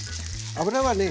油はね